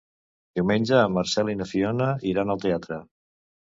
Diumenge en Marcel i na Fiona iran al teatre.